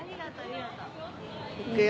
いくよ